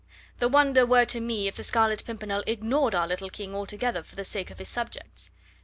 The wonder were to me if the Scarlet Pimpernel ignored our little King altogether for the sake of his subjects.